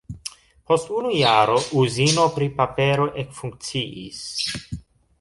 Post unu jaro uzino pri papero ekfunkciis.